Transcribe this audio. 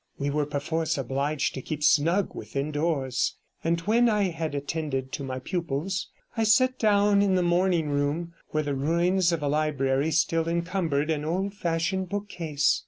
We were perforce obliged to keep snug within doors; and when I had attended to my pupils, I sat down in the morning room, where the ruins of a library still encumbered an old fashioned bookcase.